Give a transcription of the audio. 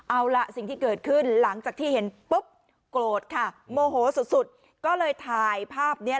เอาล่ะสิ่งที่เกิดขึ้นหลังจากที่เห็นปุ๊บโกรธค่ะโมโหสุดสุดก็เลยถ่ายภาพเนี้ย